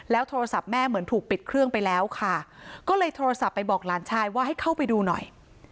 โทรศัพท์แม่เหมือนถูกปิดเครื่องไปแล้วค่ะก็เลยโทรศัพท์ไปบอกหลานชายว่าให้เข้าไปดูหน่อย